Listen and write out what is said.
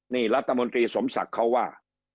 นี่รัฐมนตรีสมศักดิ์เขาว่า